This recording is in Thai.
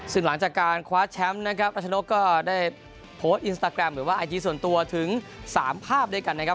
ซึ่งหลังจากการคว้าแชมป์นะครับรัชนกก็ได้โพสต์อินสตาแกรมหรือว่าไอจีส่วนตัวถึง๓ภาพด้วยกันนะครับ